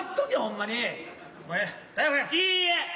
いいえ。